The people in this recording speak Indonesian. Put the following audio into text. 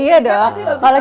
aku aja deh